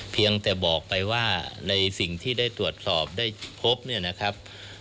เพียงแต่บอกไปว่าในสิ่งที่ได้ตรวจสอบได้พบเนี่ยนะครับ